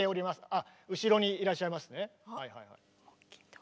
あ後ろにいらっしゃいますね。